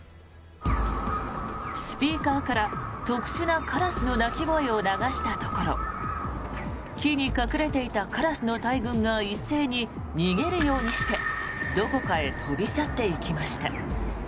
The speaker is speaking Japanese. スピーカーから特殊なカラスの鳴き声を流したところ木に隠れていたカラスの大群が一斉に逃げるようにしてどこかへ飛び去って行きました。